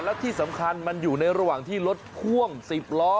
และที่สำคัญมันอยู่ในระหว่างที่รถพ่วง๑๐ล้อ